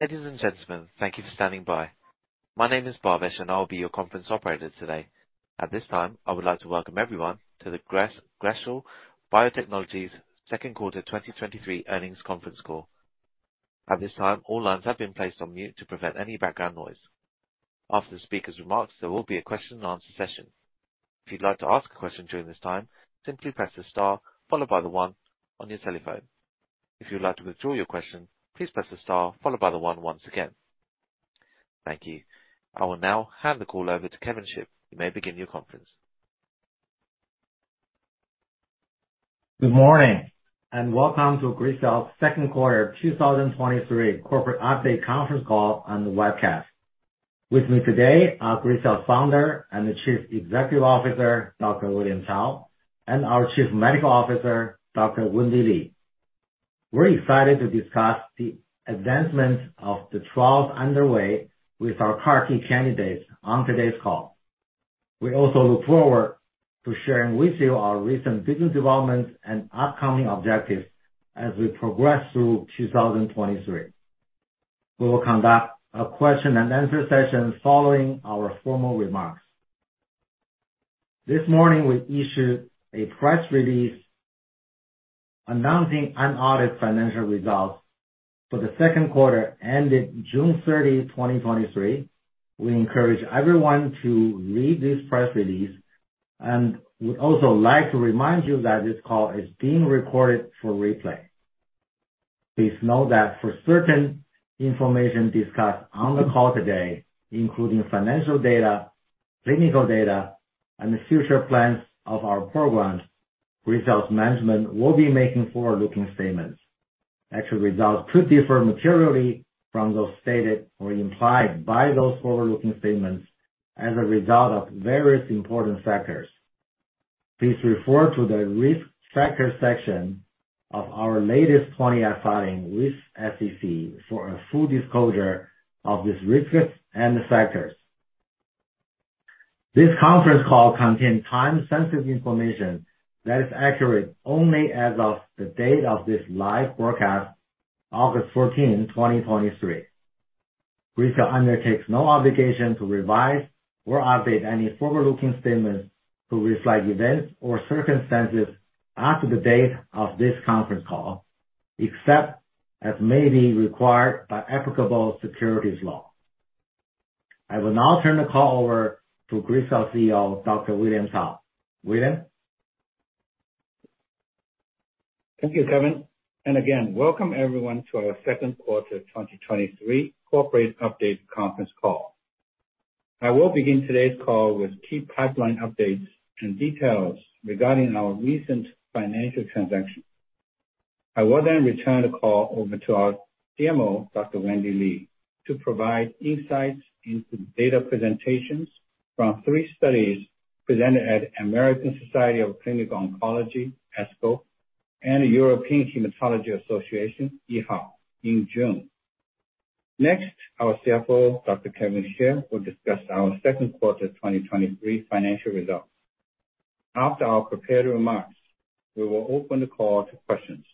Ladies and gentlemen, thank you for standing by. My name is Bhavesh, and I'll be your conference operator today. At this time, I would like to welcome everyone to the Gracell Biotechnologies second quarter 2023 earnings conference call. At this time, all lines have been placed on mute to prevent any background noise. After the speaker's remarks, there will be a question and answer session. If you'd like to ask a question during this time, simply press the star followed by the one on your telephone. If you'd like to withdraw your question, please press the star followed by the one once again. Thank you. I will now hand the call over to Kevin Xie. You may begin your conference. Welcome to Gracell's second quarter 2023 corporate update conference call and the webcast. With me today are Gracell Founder and the Chief Executive Officer, Dr. William Cao, and our Chief Medical Officer, Dr. Wendy Li. We're excited to discuss the advancements of the trials underway with our CAR T candidates on today's call. We also look forward to sharing with you our recent business developments and upcoming objectives as we progress through 2023. We will conduct a question and answer session following our formal remarks. This morning, we issued a press release announcing unaudited financial results for the second quarter ended June 30, 2023. We encourage everyone to read this press release. We'd also like to remind you that this call is being recorded for replay. Please note that for certain information discussed on the call today, including financial data, clinical data, and the future plans of our programs, Gracell's management will be making forward-looking statements. Actual results could differ materially from those stated or implied by those forward-looking statements as a result of various important factors. Please refer to the Risk Factors section of our latest 20 S filing with SEC for a full disclosure of these risks and factors. This conference call contains time-sensitive information that is accurate only as of the date of this live broadcast, August 14th, 2023. Gracell undertakes no obligation to revise or update any forward-looking statements to reflect events or circumstances after the date of this conference call, except as may be required by applicable securities law. I will now turn the call over to Gracell CEO, Dr. William Cao. William? Thank you, Kevin. Again, welcome everyone to our second quarter 2023 corporate update conference call. I will begin today's call with key pipeline updates and details regarding our recent financial transactions. I will return the call over to our CMO, Dr. Wendy Li, to provide insights into data presentations from 3 studies presented at American Society of Clinical Oncology, ASCO, and the European Hematology Association, EHA, in June. Next, our CFO, Dr. Kevin Xie, will discuss our second quarter 2023 financial results. After our prepared remarks, we will open the call to questions.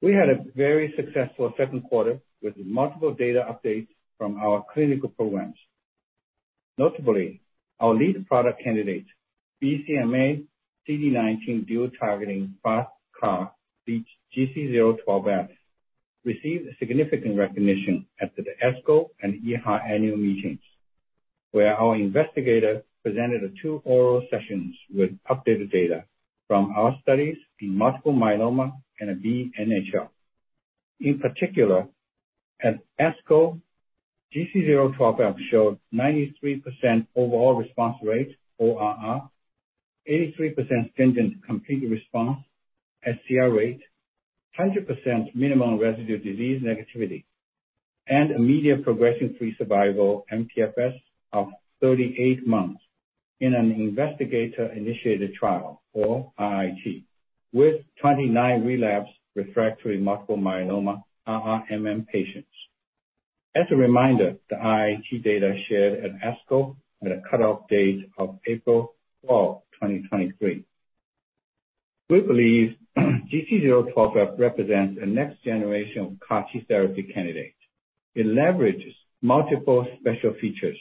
We had a very successful second quarter with multiple data updates from our clinical programs. Notably, our lead product candidate, BCMA, CD19 dual targeting BiCAR, GC012F, received significant recognition at the ASCO and EHA annual meetings, where our investigators presented a two oral sessions with updated data from our studies in multiple myeloma and BNHL. In particular, at ASCO, GC012F showed 93% overall response rate, ORR, 83% stringent complete response, sCR rate, 100% minimum residual disease negativity, and median progression-free survival, mPFS, of 38 months in an investigator-initiated trial or IIT, with 29 relapsed refractory multiple myeloma RRMM patients. As a reminder, the IIT data shared at ASCO had a cutoff date of April 12, 2023. We believe GC012F represents a next generation of CAR T therapy candidate. It leverages multiple special features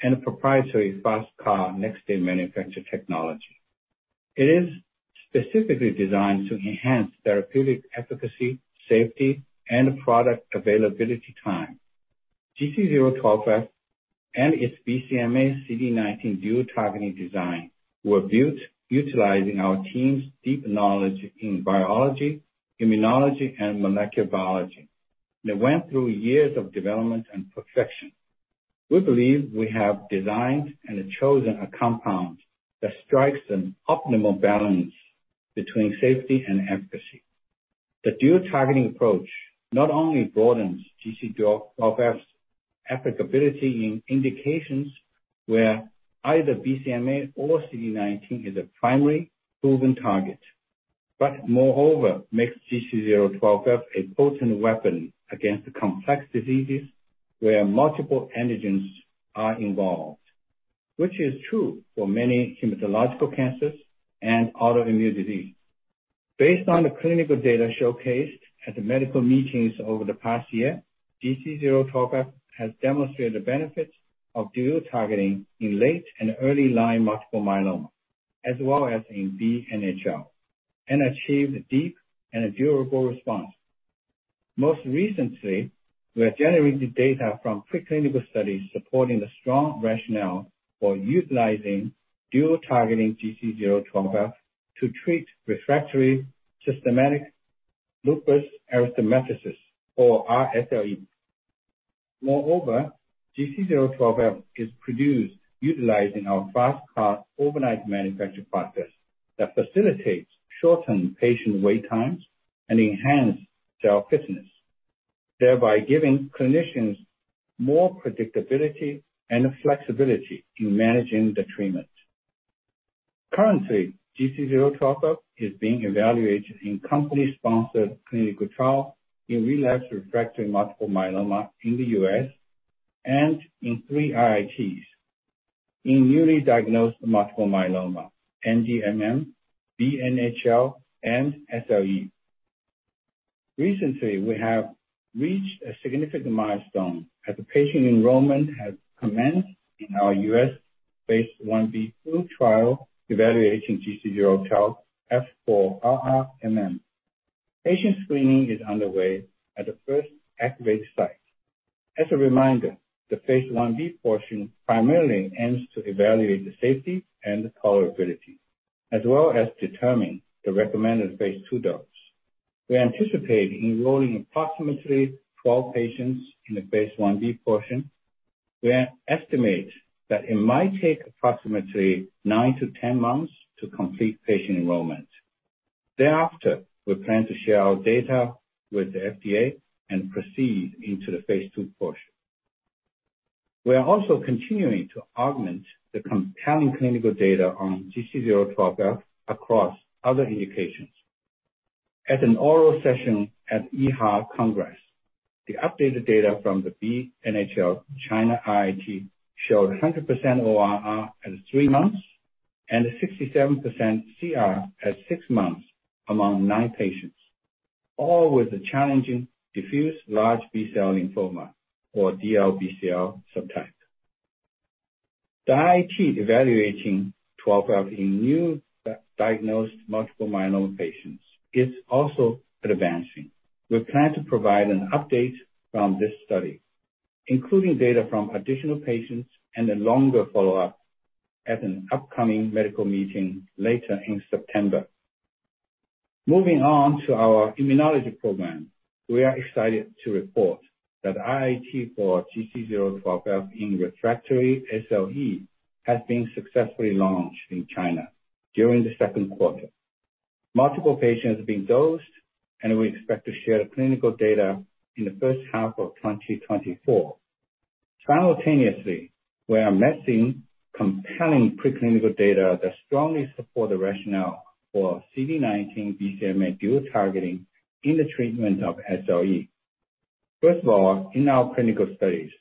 and a proprietary BiCAR next day manufacture technology. It is specifically designed to enhance therapeutic efficacy, safety, and product availability time. GC012F and its BCMA, CD19 dual targeting design were built utilizing our team's deep knowledge in biology, immunology, and molecular biology. They went through years of development and perfection. We believe we have designed and chosen a compound that strikes an optimal balance between safety and efficacy. The dual targeting approach not only broadens GC012F's applicability in indications where either BCMA or CD19 is a primary proven target, but moreover, makes GC012F a potent weapon against the complex diseases where multiple antigens are involved, which is true for many hematological cancers and autoimmune disease. Based on the clinical data showcased at the medical meetings over the past year, GC012F has demonstrated the benefits of dual targeting in late and early line multiple myeloma, as well as in BNHL, and achieved a deep and a durable response. Most recently, we are generating the data from preclinical studies supporting the strong rationale for utilizing dual targeting GC012F to treat refractory systemic lupus erythematosus, or rSLE. Moreover, GC012F is produced utilizing our FasTCAR overnight manufacturing process, that facilitates shortened patient wait times and enhance cell fitness, thereby giving clinicians more predictability and flexibility in managing the treatment. Currently, GC012F is being evaluated in company-sponsored clinical trial in relapsed refractory multiple myeloma in the U.S., and in three IITs, in newly diagnosed multiple myeloma, NDMM, BNHL, and SLE. Recently, we have reached a significant milestone, as the patient enrollment has commenced in our U.S.-based 1b/2 trial evaluating GC012F for RRMM. Patient screening is underway at the first activate site. As a reminder, the phase 1b portion primarily aims to evaluate the safety and tolerability, as well as determine the recommended phase 2 dose. We anticipate enrolling approximately 12 patients in the phase 1B portion. We estimate that it might take approximately 9-10 months to complete patient enrollment. Thereafter, we plan to share our data with the FDA and proceed into the phase 2 portion. We are also continuing to augment the compelling clinical data on GC012F across other indications. At an oral session at EHA Congress, the updated data from the BNHL China IIT showed 100% ORR at 3 months and 67% CR at 6 months among 9 patients, all with a challenging diffuse large B-cell lymphoma, or DLBCL subtype. The IIT evaluating GC012F in new diagnosed multiple myeloma patients is also advancing. We plan to provide an update from this study, including data from additional patients and a longer follow-up at an upcoming medical meeting later in September. Moving on to our immunology program, we are excited to report that IIT for GC012F in refractory SLE has been successfully launched in China during the second quarter. Multiple patients have been dosed. We expect to share the clinical data in the first half of 2024. Simultaneously, we are amassing compelling pre-clinical data that strongly support the rationale for CD19 BCMA dual targeting in the treatment of SLE. First of all, in our clinical studies,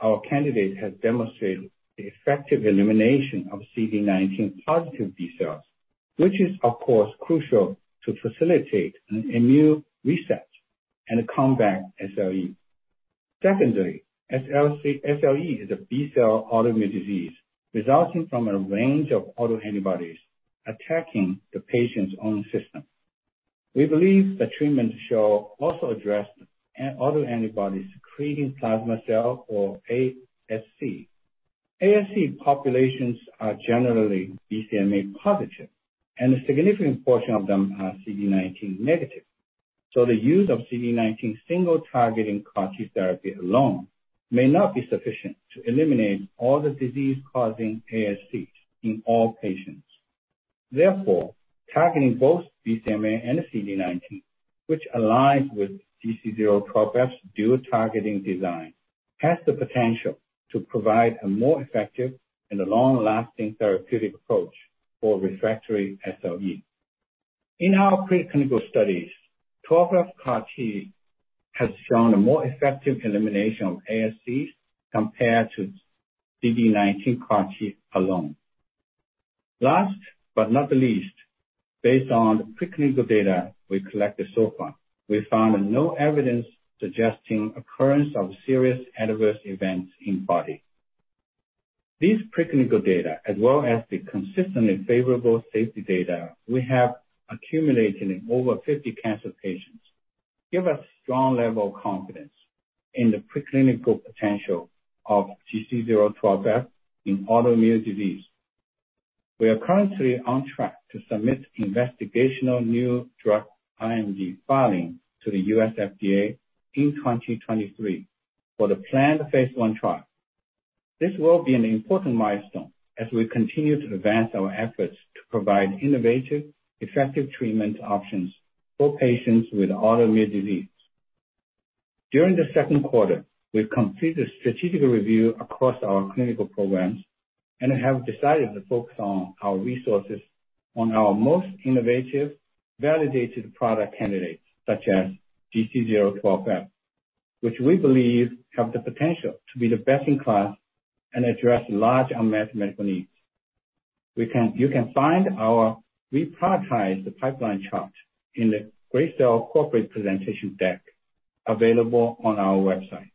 our candidates have demonstrated the effective elimination of CD19 positive B cells, which is, of course, crucial to facilitate an immune reset and combat SLE. Secondly, SLE is a B cell autoimmune disease resulting from a range of autoantibodies attacking the patient's own system. We believe the treatment should also address autoantibodies creating plasma cell, or ASC. ASC populations are generally BCMA positive, and a significant portion of them are CD19 negative, so the use of CD19 single targeting CAR T therapy alone may not be sufficient to eliminate all the disease-causing ASCs in all patients. Therefore, targeting both BCMA and CD19, which aligns with GC012F's dual targeting design, has the potential to provide a more effective and long-lasting therapeutic approach for refractory SLE. In our preclinical studies, GC012F CAR T has shown a more effective elimination of ASCs compared to CD19 CAR T alone. Last but not least, based on the preclinical data we collected so far, we found no evidence suggesting occurrence of serious adverse events in body. These preclinical data, as well as the consistently favorable safety data we have accumulated in over 50 cancer patients, give us strong level of confidence in the preclinical potential of GC012F in autoimmune disease. We are currently on track to submit investigational new drug, IND, filing to the U.S. FDA in 2023 for the planned phase I trial. This will be an important milestone as we continue to advance our efforts to provide innovative, effective treatment options for patients with autoimmune disease. During the second quarter, we've completed strategic review across our clinical programs and have decided to focus on our resources on our most innovative, validated product candidates, such as GC012F... which we believe have the potential to be the best in class, and address large unmet medical needs. You can find our reprioritized pipeline chart in the Gracell corporate presentation deck, available on our website.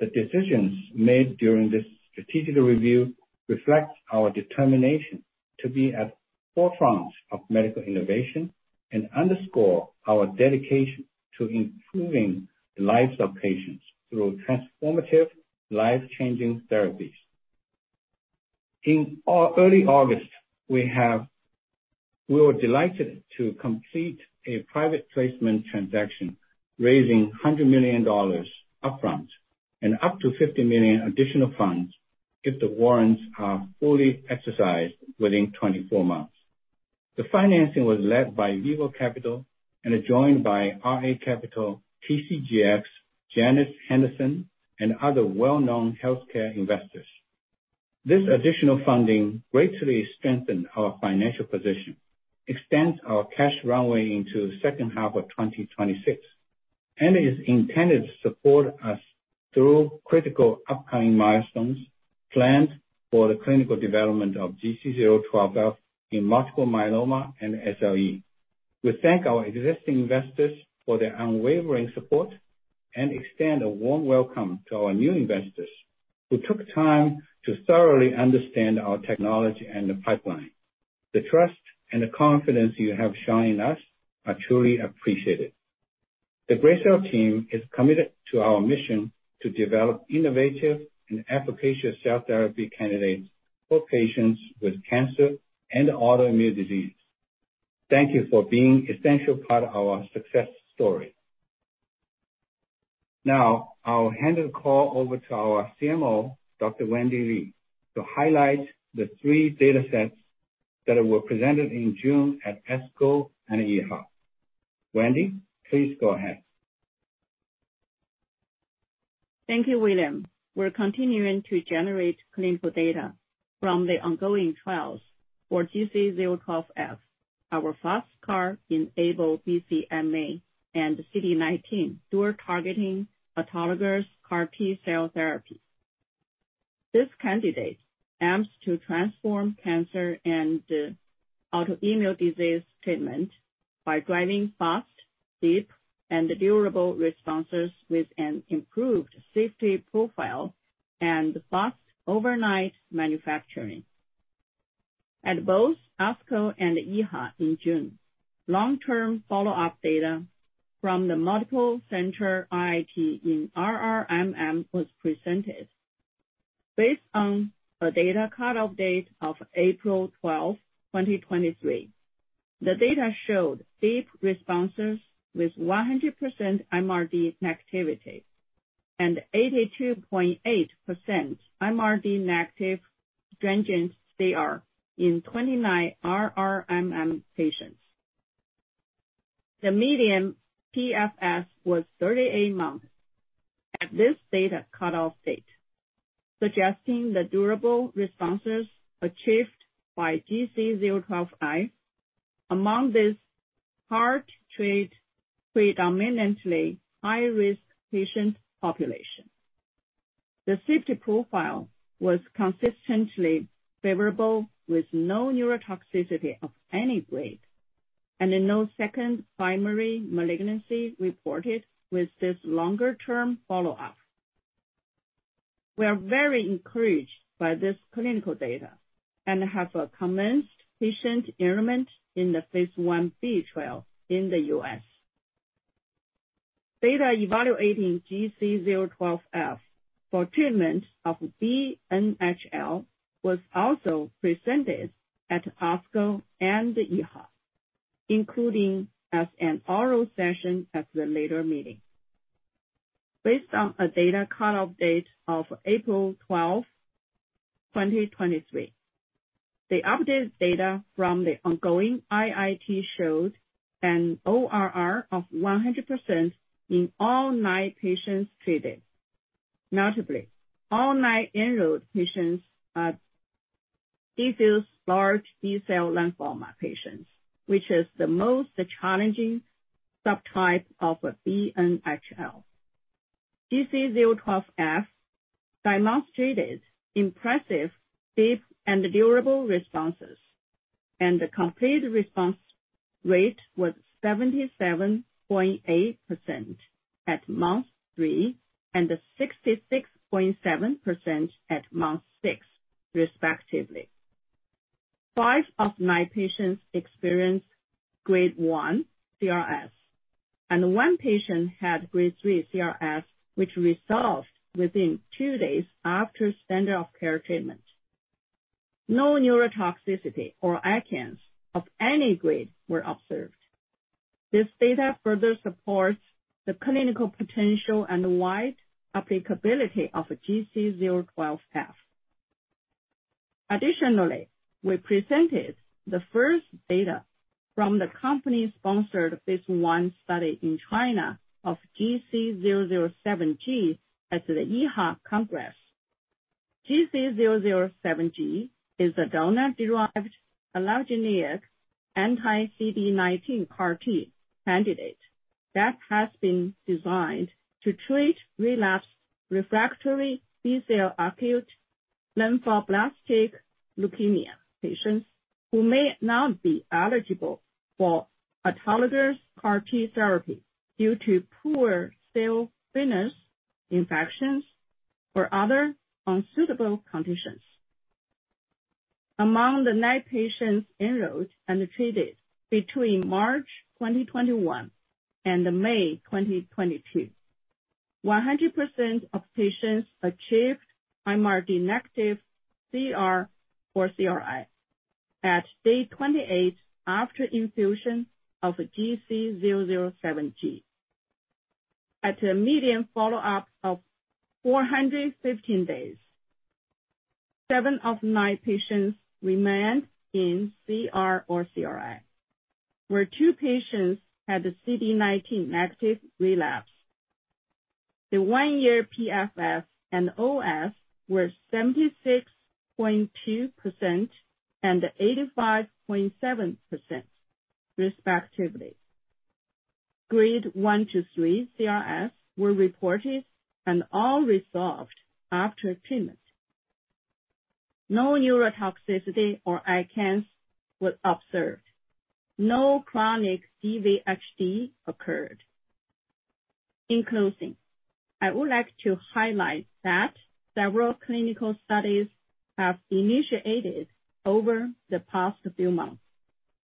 The decisions made during this strategic review reflect our determination to be at the forefront of medical innovation, and underscore our dedication to improving the lives of patients through transformative, life-changing therapies. In early August, we were delighted to complete a private placement transaction, raising $100 million upfront, and up to $50 million additional funds if the warrants are fully exercised within 24 months. The financing was led by Evo Capital and joined by RA Capital, TCGX, Janus Henderson, and other well-known healthcare investors. This additional funding greatly strengthened our financial position, extends our cash runway into the second half of 2026, and is intended to support us through critical upcoming milestones planned for the clinical development of GC012F in multiple myeloma and SLE. We thank our existing investors for their unwavering support, and extend a warm welcome to our new investors, who took time to thoroughly understand our technology and the pipeline. The trust and the confidence you have shown in us are truly appreciated. The Gracell team is committed to our mission to develop innovative and efficacious cell therapy candidates for patients with cancer and autoimmune disease. Thank you for being essential part of our success story. Now, I'll hand the call over to our CMO, Dr. Wendy Li, to highlight the three data sets that were presented in June at ASCO and EHA. Wendy, please go ahead. Thank you, William. We're continuing to generate clinical data from the ongoing trials for GC012F, our FasTCAR-enabled BCMA and CD19 dual targeting autologous CAR T cell therapy. This candidate aims to transform cancer and autoimmune disease treatment by driving fast, deep, and durable responses with an improved safety profile and fast overnight manufacturing. At both ASCO and EHA in June, long-term follow-up data from the multiple center IIT in RRMM was presented. Based on a data cut-off date of April 12, 2023, the data showed deep responses with 100% MRD negativity, and 82.8% MRD negative stringent CR in 29 RRMM patients. The median PFS was 38 months at this data cut-off date, suggesting the durable responses achieved by GC012F among this hard-treated, predominantly high-risk patient population. The safety profile was consistently favorable, with no neurotoxicity of any grade, and then no second primary malignancy reported with this longer-term follow-up. We are very encouraged by this clinical data, and have commenced patient enrollment in the phase Ib trial in the US. Data evaluating GC012F for treatment of BNHL was also presented at ASCO and EHA, including as an oral session at the later meeting. Based on a data cut-off date of April 12, 2023, the updated data from the ongoing IIT showed an ORR of 100% in all 9 patients treated. Notably, all 9 enrolled patients are diffuse large B-cell lymphoma patients, which is the most challenging subtype of BNHL. GC012F demonstrated impressive, deep, and durable responses, and the complete response rate was 77.8% at month 3, and 66.7% at month 6, respectively. 5 of my patients experienced grade 1 CRS, and 1 patient had grade 3 CRS, which resolved within 2 days after standard of care treatment. No neurotoxicity or ICANS of any grade were observed. This data further supports the clinical potential and wide applicability of GC012F. Additionally, we presented the 1st data from the company's sponsored phase 1 study in China of GC007G at the EHA Congress. GC007G is a donor-derived allogeneic anti-CD19 CAR-T candidate that has been designed to treat relapsed refractory B-cell acute lymphoblastic leukemia patients, who may not be eligible for autologous CAR-T therapy due to poor cell fitness, infections, or other unsuitable conditions. Among the 9 patients enrolled and treated between March 2021 and May 2022, 100% of patients achieved MRD negative CR or CRI at day 28 after infusion of GC007G. At a median follow-up of 415 days, 7 of 9 patients remained in CR or CRI, where two patients had a CD19 negative relapse. The 1-year PFS and OS were 76.2% and 85.7% respectively. Grade 1-3 CRS were reported and all resolved after treatment. No neurotoxicity or ICANS was observed. No chronic GVHD occurred. In closing, I would like to highlight that several clinical studies have initiated over the past few months,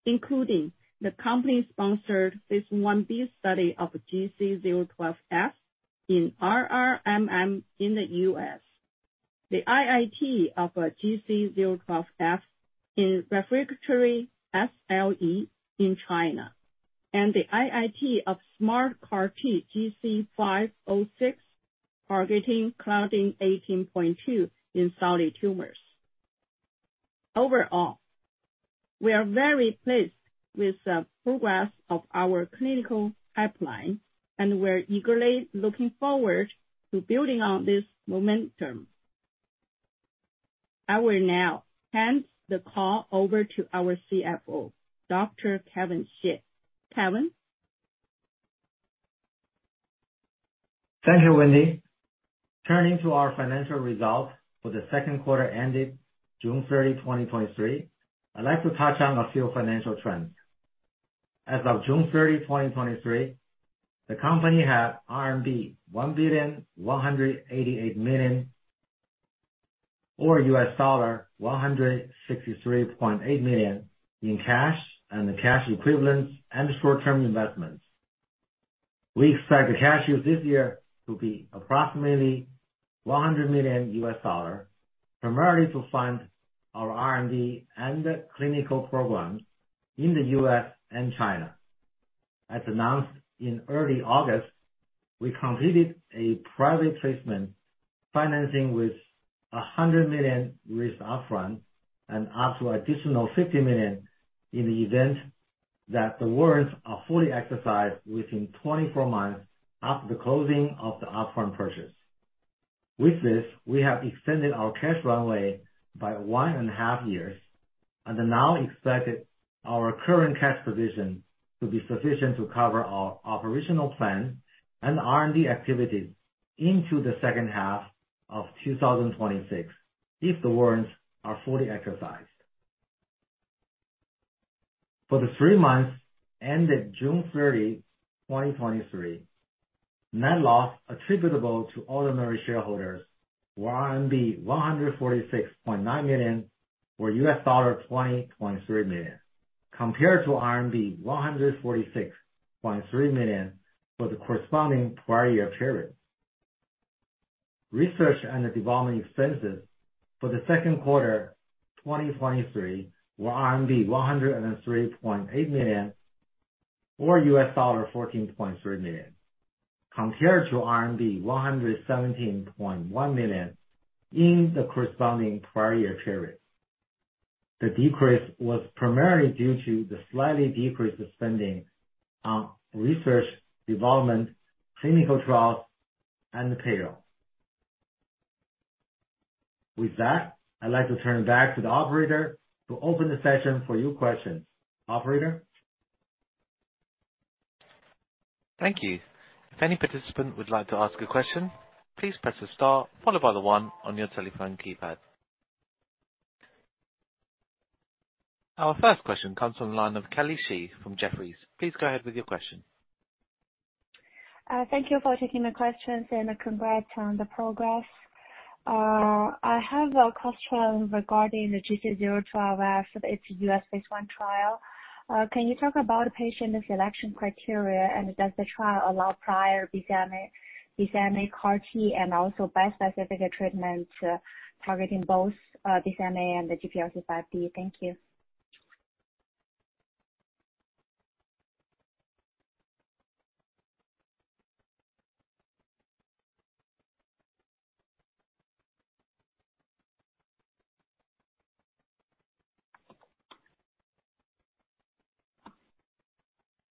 including the company-sponsored phase 1B study of GC012F in RRMM in the US, the IIT of GC012F in refractory SLE in China, and the IIT of SMART CAR-T GC506, targeting claudin 18.2 in solid tumors. Overall, we are very pleased with the progress of our clinical pipeline, and we're eagerly looking forward to building on this momentum. I will now hand the call over to our CFO, Dr. Kevin Xie. Kevin? Thank you, Wendy. Turning to our financial results for the second quarter ended June 30, 2023, I'd like to touch on a few financial trends. As of June 30, 2023, the company had RMB 1,188 million, or $163.8 million in cash and the cash equivalents and short-term investments. We expect the cash use this year to be approximately $100 million, primarily to fund our R&D and clinical programs in the US and China. As announced in early August, we completed a private placement financing with $100 million with upfront and up to additional $50 million in the event that the warrants are fully exercised within 24 months after the closing of the upfront purchase. With this, we have extended our cash runway by one and a half years, are now expected our current cash position to be sufficient to cover our operational plans and R&D activities into the second half of 2026, if the warrants are fully exercised. For the three months ended June 30, 2023, net loss attributable to ordinary shareholders were RMB 146.9 million, or $2,023 million, compared to RMB 146.3 million for the corresponding prior year period. Research and development expenses for the second quarter 2023 were RMB 103.8 million, or $14.3 million, compared to RMB 117.1 million in the corresponding prior year period. The decrease was primarily due to the slightly decrease of spending on research, development, clinical trials, and payroll. With that, I'd like to turn back to the operator to open the session for your questions. Operator? Thank you. If any participant would like to ask a question, please press the star followed by the one on your telephone keypad. Our first question comes from the line of Kelly Shi from Jefferies. Please go ahead with your question. Thank you for taking my questions, and congrats on the progress. I have a question regarding the GC012F, its US phase one trial. Can you talk about the patient selection criteria, and does the trial allow prior BCMA, BCMA, CAR-T, and also bispecific treatment, targeting both, BCMA and the GPRC5D? Thank you.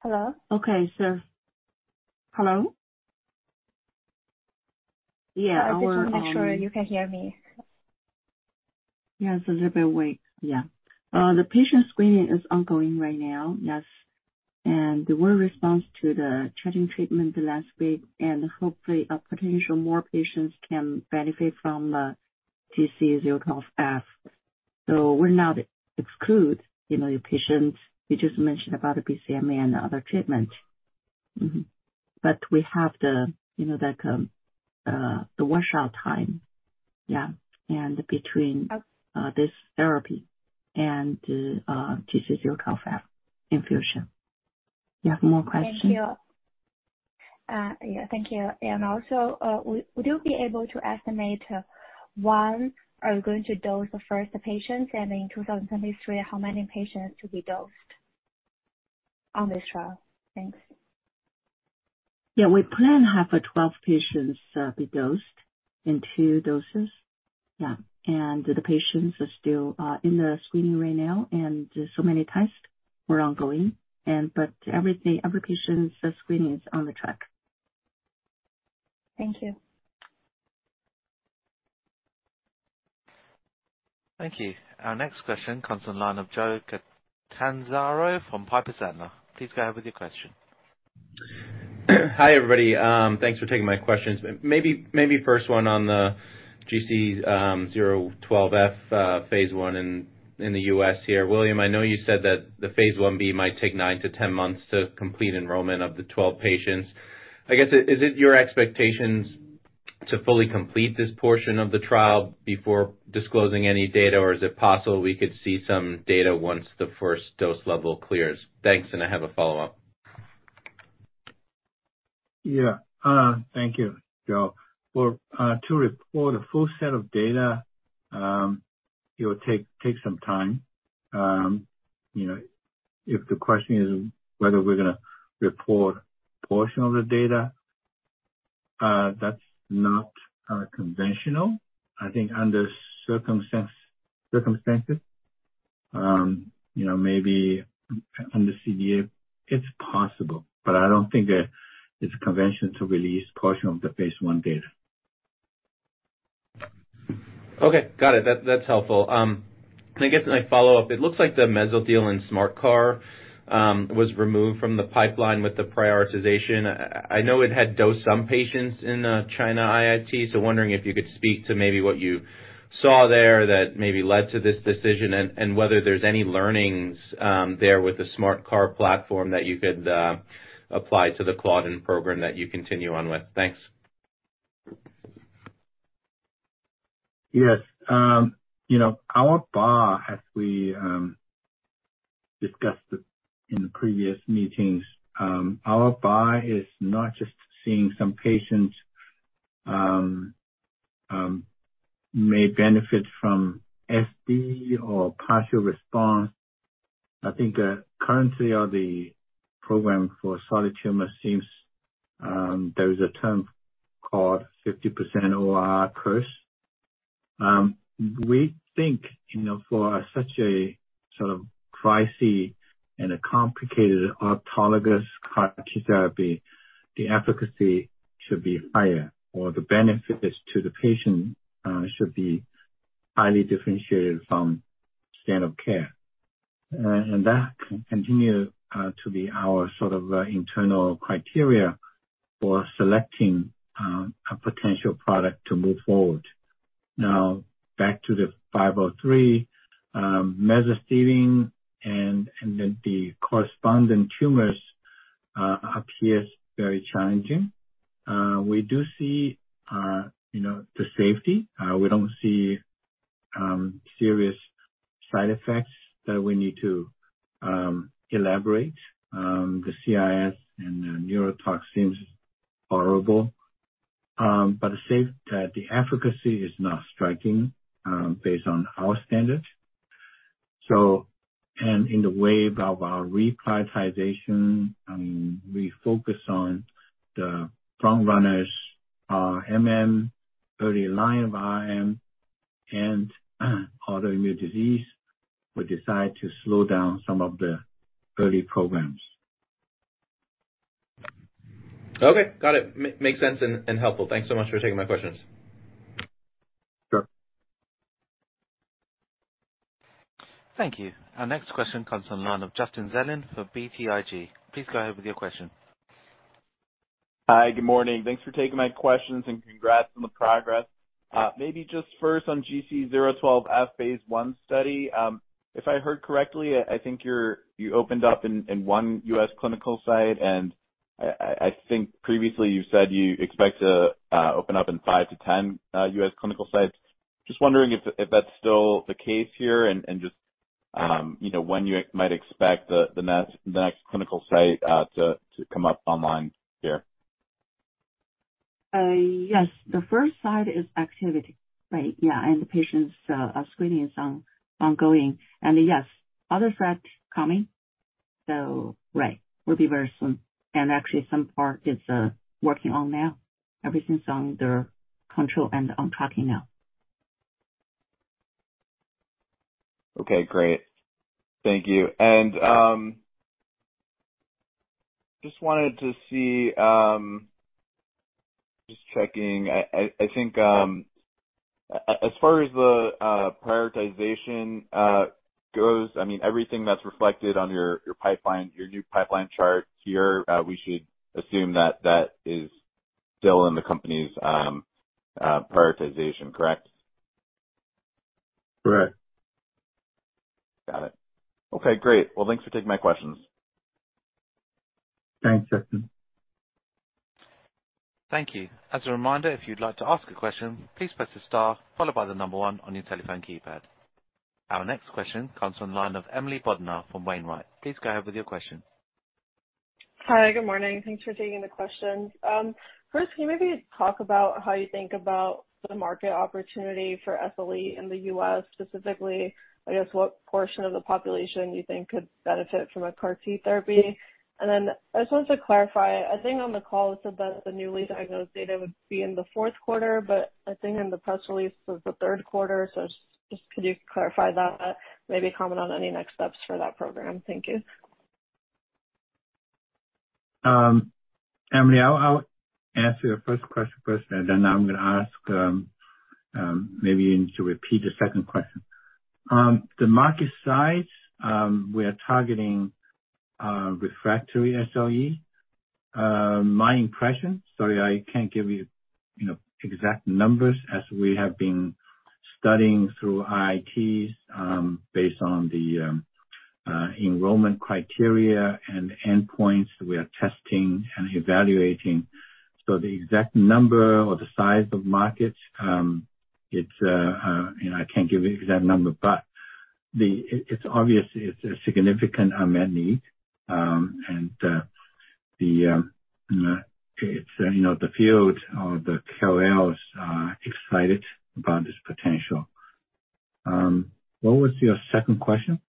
Hello? Okay, hello? Yeah, our, I just want to make sure you can hear me. Yes, a little bit wait. Yeah. The patient screening is ongoing right now. Yes. The well response to the checking treatment last week, and hopefully a potential more patients can benefit from GC012F. We're not exclude, you know, your patient, you just mentioned about the BCMA and other treatment. Mm-hmm. We have the, you know, like, the washout time. Yeah, and between this therapy and the GC012F infusion. You have more questions? Thank you. Yeah, thank you. Also, would, would you be able to estimate, 1, are you going to dose the first patients? In 2023, how many patients to be dosed on this trial? Thanks. Yeah, we plan to have 12 patients be dosed in two doses. Yeah. The patients are still in the screening right now, and so many tests were ongoing. Everything, every patient's screening is on the track. Thank you. Thank you. Our next question comes on the line of Joe Catanzaro from Piper Sandler. Please go ahead with your question. Hi, everybody. Thanks for taking my questions. Maybe, maybe first one on the GC012F phase 1 in, in the U.S. here. William, I know you said that the phase 1B might take 9-10 months to complete enrollment of the 12 patients. I guess, is it your expectations to fully complete this portion of the trial before disclosing any data, or is it possible we could see some data once the first dose level clears? Thanks. I have a follow-up. Yeah. Thank you, Joe. Well, to report a full set of data, it will take, take some time. You know, if the question is whether we're going to report a portion of the data, that's not conventional. I think under circumstance, circumstances, you know, maybe under CDA, it's possible, but I don't think that it's conventional to release portion of the phase I data. Okay, got it. That, that's helpful. I guess my follow-up, it looks like the meso deal in SMART CAR was removed from the pipeline with the prioritization. I, I know it had dosed some patients in the China IIT, so wondering if you could speak to maybe what you saw there that maybe led to this decision, and, and whether there's any learnings there with the SMART CAR platform that you could apply to the claudin program that you continue on with. Thanks. Yes. You know, our bar, as we discussed it in the previous meetings, our bar is not just seeing some patients, may benefit from SD or partial response. I think, currently on the program for solid tumor seems there is a term called 50% OR curse. We think, you know, for such a sort of crisisy and a complicated autologous CAR T therapy, the efficacy should be higher, or the benefits to the patient should be highly differentiated from standard of care. That can continue to be our sort of internal criteria for selecting a potential product to move forward. Now, back to the 503, mesothelin and then the corresponding tumors appears very challenging. We do see, you know, the safety. We don't see serious side effects that we need to elaborate. The CIS and the neurotoxin horrible, but the safe, the efficacy is not striking based on our standards. In the wave of our reprioritization, we focus on the front runners, our MM, early line RM, and autoimmune disease. We decide to slow down some of the early programs. Okay, got it. Makes sense and helpful. Thanks so much for taking my questions. Sure. Thank you. Our next question comes on the line of Justin Zelin for BTIG. Please go ahead with your question. Hi, good morning. Thanks for taking my questions, and congrats on the progress. Maybe just first on GC012F phase I study. If I heard correctly, I think you're, you opened up in one U.S. clinical site, and I think previously you said you expect to open up in 5-10 U.S. clinical sites. Just wondering if that's still the case here, and just, you know, when you might expect the next clinical site to come up online here? Yes. The first site is activity, right? Yeah, and the patients, screening is ongoing. Yes, other sites coming, so right, will be very soon. Actually some part is, working on now. Everything's on their control and on talking now. Okay, great. Thank you. Just wanted to see, just checking. I think, as far as the prioritization goes, I mean, everything that's reflected on your, your pipeline, your new pipeline chart here, we should assume that that is still in the company's prioritization, correct? Correct. Got it. Okay, great. Well, thanks for taking my questions. Thanks, Justin. Thank you. As a reminder, if you'd like to ask a question, please press star followed by the number one on your telephone keypad. Our next question comes from the line of Emily Bodnar from Wainwright. Please go ahead with your question. Hi, good morning. Thanks for taking the questions. First, can you maybe talk about how you think about the market opportunity for SLE in the US, specifically, I guess, what portion of the population you think could benefit from a CAR-T therapy? I just wanted to clarify, I think on the call, you said that the newly diagnosed data would be in the fourth quarter, but I think in the press release, it was the third quarter. Could you clarify that? Maybe comment on any next steps for that program. Thank you. Emily, I'll, I'll answer your first question first, and then I'm going to ask maybe you to repeat the second question. The market size, we are targeting refractory SLE. My impression, sorry, I can't give you, you know, exact numbers as we have been studying through IITs, based on the enrollment criteria and the endpoints we are testing and evaluating. The exact number or the size of markets, it's, you know, I can't give you exact number, but it's obvious it's a significant unmet need. The field or the KOLs are excited about this potential. What was your second question?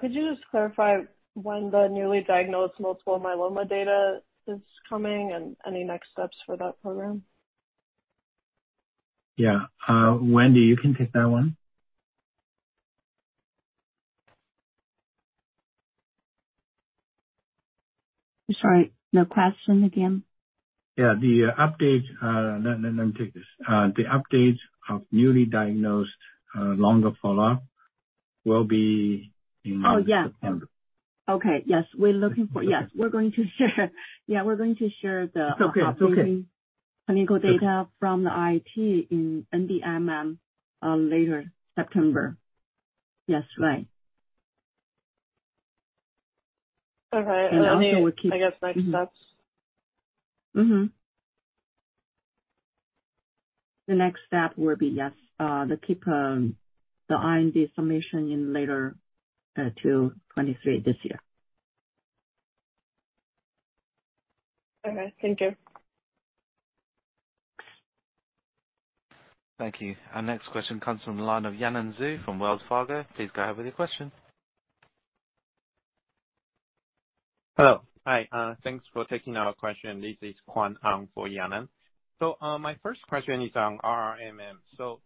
Could you just clarify when the newly diagnosed multiple myeloma data is coming and any next steps for that program? Yeah. Wendy, you can take that one. Sorry, the question again? Yeah, the update, let, let me take this. The update of newly diagnosed, longer follow-up will be in- Oh, yeah. Okay. Yes, we're looking for... Yes, we're going to share. Yeah, we're going to share. It's okay. It's okay. Clinical data from the IIT in NDMM, later September. Yes. Right. All right. also we'll keep- I guess next steps. The next step will be, yes, the IND submission in later, 2023, this year. Okay. Thank you. Thank you. Our next question comes from the line of Yanan Zhu from Wells Fargo. Please go ahead with your question. Hello. Hi, thanks for taking our question. This is Kwan Ang for Yanan Zhu. My first question is on RRMM. So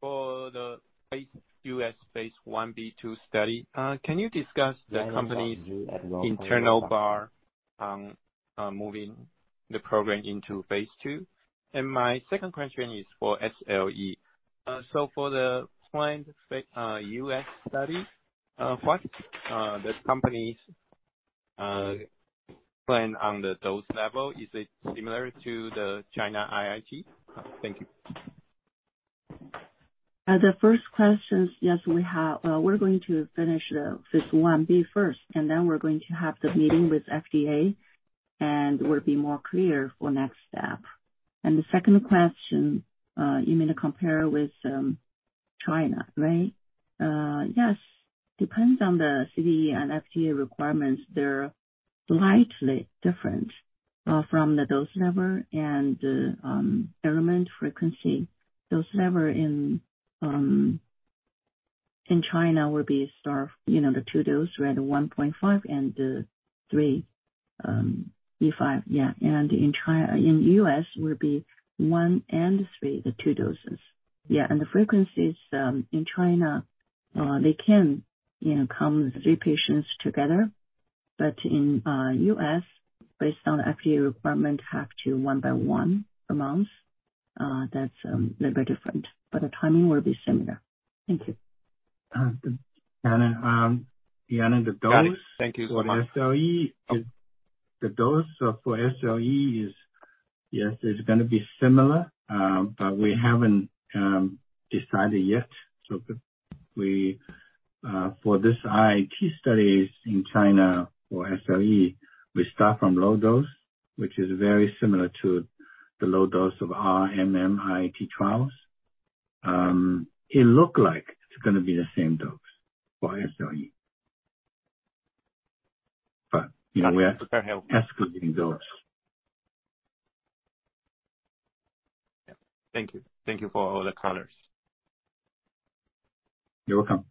for the base US phase 1B2 study, can you discuss the company's internal bar on, on moving the program into phase two? My second question is for SLE. So for the client, US study, what the company's plan on the dose level, is it similar to the China IIT? Thank you. The first question, yes, we have. We're going to finish the phase 1B first, then we're going to have the meeting with FDA, and we'll be more clear for next step. The second question, you mean to compare with China, right? Yes, depends on the CDE and FDA requirements. They're slightly different from the dose level and the element frequency. Dose level in China will be start, you know, the 2 dose, right, 1.5 and the 3 B five. Yeah. In the US will be 1 and 3, the 2 doses. Yeah, and the frequencies in China, they can, you know, come 3 patients together. In US, based on FDA requirement, have to 1 by 1 a month. That's little bit different, but the timing will be similar. Thank you. Yanan, Yanan, the dose- Thank you. For SLE is, the dose for SLE is, yes, it's going to be similar, but we haven't decided yet. We, for this IIT studies in China for SLE, we start from low dose, which is very similar to the low dose of RRMM IIT trials. It look like it's going to be the same dose for SLE, but, you know, we are excluding those. Thank you. Thank you for all the color. You're welcome.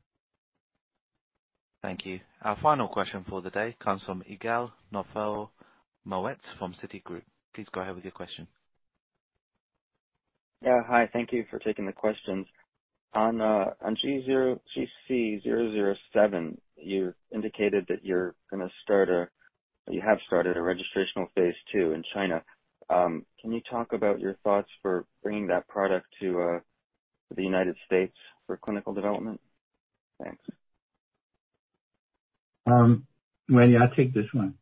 Thank you. Our final question for the day comes from Yigal Nochomovitz from Citigroup. Please go ahead with your question. Yeah, hi. Thank you for taking the questions. On GC-zero-zero-seven, you indicated that you have started a registrational phase 2 in China. Can you talk about your thoughts for bringing that product to the United States for clinical development? Thanks. Wendy, I'll take this one.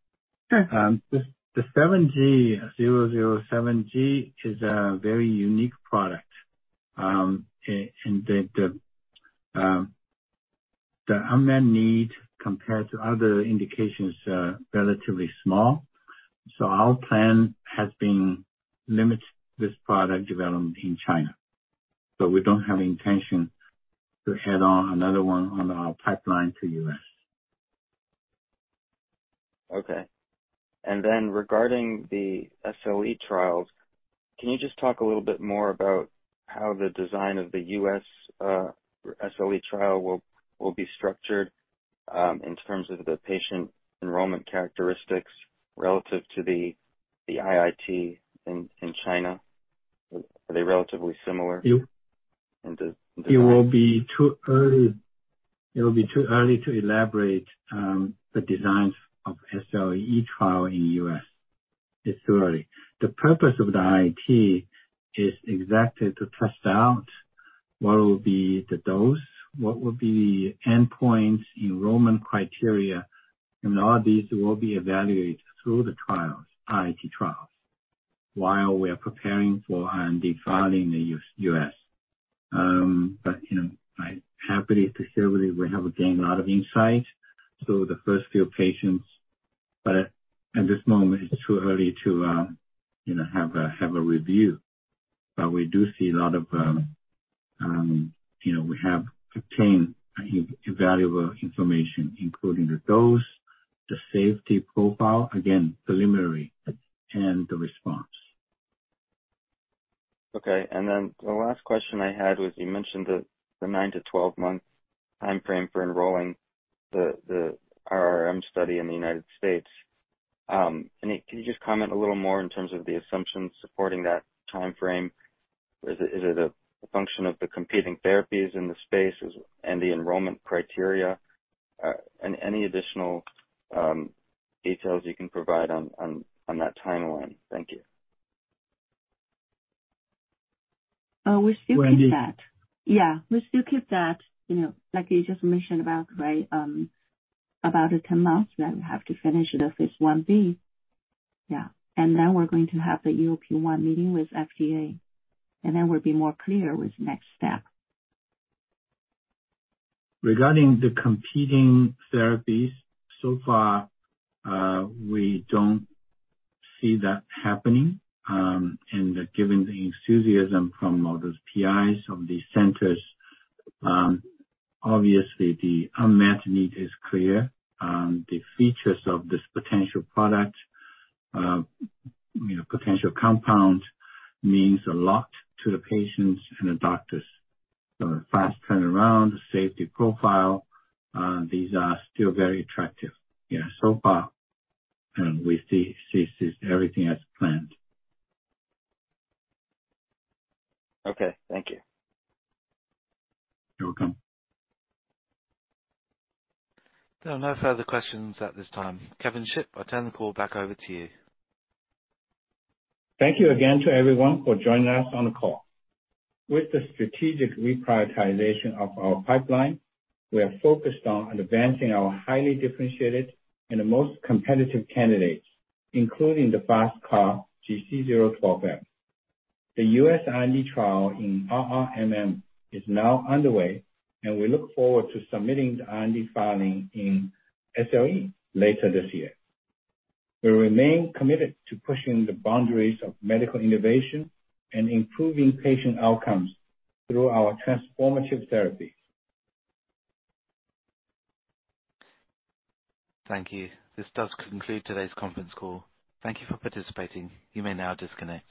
Sure. The GC007g, GC007g, is a very unique product. The unmet need compared to other indications are relatively small, our plan has been limit this product development in China. We don't have intention to add on another one on our pipeline to US. Okay. Then regarding the SLE trials, can you just talk a little bit more about how the design of the US SLE trial will, will be structured in terms of the patient enrollment characteristics relative to the, the IIT in China? Are they relatively similar? You- In the design. It will be too early, it will be too early to elaborate the designs of SLE trial in the US. It's too early. The purpose of the IIT is exactly to test out what will be the dose, what will be the endpoints, enrollment criteria, and all these will be evaluated through the trials, IIT trials, while we are preparing for IND filing in the US. You know, I happily, presumably, we have gained a lot of insight through the first few patients, but at this moment, it's too early to, you know, have a review. You know, we have obtained invaluable information, including the dose, the safety profile, again, preliminary, and the response. Okay, then the last question I had was, you mentioned the 9-12 month timeframe for enrolling the RRMM study in the US. Can you just comment a little more in terms of the assumptions supporting that timeframe? Is it, is it a function of the competing therapies in the space, is, and the enrollment criteria? Any additional details you can provide on, on, on that timeline. Thank you. We still keep that. Wendy? Yeah, we still keep that. You know, like you just mentioned about, right, about 10 months that we have to finish the phase 1B. Yeah, we're going to have the EOP1 meeting with FDA. We'll be more clear with next step. Regarding the competing therapies, so far, we don't see that happening. Given the enthusiasm from all those PIs from these centers, obviously the unmet need is clear. The features of this potential product, you know, potential compound, means a lot to the patients and the doctors. The fast turnaround, the safety profile, these are still very attractive. So far, we see, see, see everything as planned. Okay, thank you. You're welcome. There are no further questions at this time. Kevin Xie, I turn the call back over to you. Thank you again to everyone for joining us on the call. With the strategic reprioritization of our pipeline, we are focused on advancing our highly differentiated and the most competitive candidates, including the FasTCAR, GC012F. The U.S. IND trial in RRMM is now underway. We look forward to submitting the IND filing in SLE later this year. We remain committed to pushing the boundaries of medical innovation and improving patient outcomes through our transformative therapy. Thank you. This does conclude today's conference call. Thank you for participating. You may now disconnect.